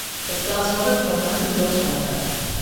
It stars Robert Conrad and George Hamilton.